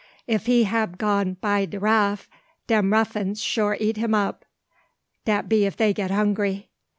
If he hab go by de raff dem ruffins sure eat him up, dat be if dey get hungry.